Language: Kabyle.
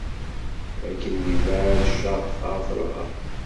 Akken yebɛed ccerq ɣef lɣerb.